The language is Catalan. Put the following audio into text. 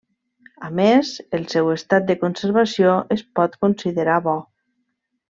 A més, el seu estat de conservació es pot considerar bo.